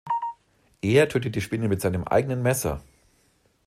Er tötet die Spinne mit seinem eigenen Messer.